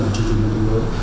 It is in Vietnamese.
của chương trình nông thôn mới